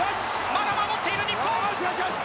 まだ守っている日本！